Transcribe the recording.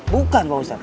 bukan pak ustadz